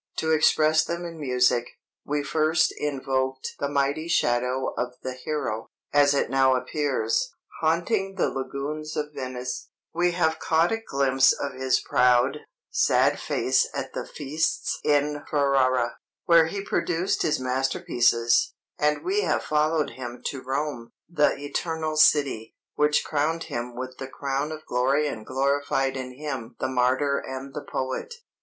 To express them in music, we first invoked the mighty shadow of the hero, as it now appears, haunting the lagoons of Venice; we have caught a glimpse of his proud, sad face at the feasts in Ferrara, where he produced his masterpieces; and we have followed him to Rome, the Eternal City, which crowned him with the crown of glory and glorified in him the martyr and the poet.